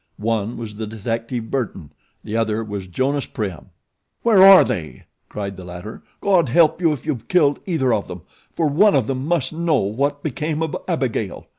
One was the detective, Burton; the other was Jonas Prim. "Where are they?" cried the latter. "God help you if you've killed either of them, for one of them must know what became of Abigail."